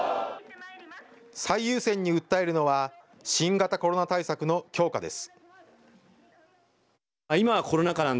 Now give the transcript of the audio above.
最優先に訴えるのは新型コロナ対策の強化です。